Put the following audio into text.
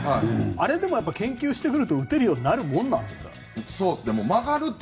あれでも研究してくると打てるようになるものなんですか？